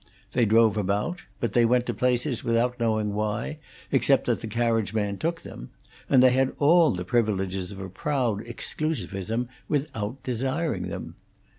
They drove about, but they went to places without knowing why, except that the carriage man took them, and they had all the privileges of a proud exclusivism without desiring them.